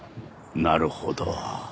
なるほど。